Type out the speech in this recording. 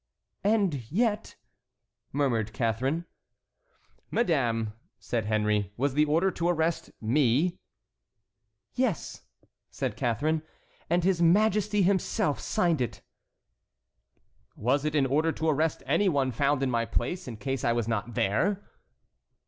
"And yet"—murmured Catharine. "Madame," said Henry, "was the order to arrest me?" "Yes," said Catharine, "and his Majesty himself signed it." "Was it an order to arrest any one found in my place in case I was not there?"